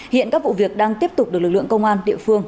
hiện các vụ việc đang tiếp tục được lực lượng công an địa phương